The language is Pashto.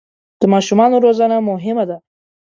د ماشومانو روزنه مهمه ده.